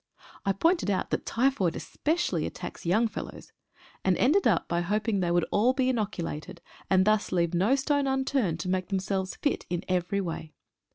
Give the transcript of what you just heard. I pointed out that typhoid especially attacks young fellows, and ended up by hoping they would all be inocu lated, and thus leave no stone unturned to make them selves fit in every way.